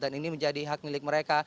dan ini menjadi hak milik mereka